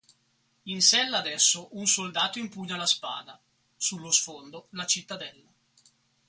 In sella ad esso un soldato impugna la spada; sullo sfondo la cittadella.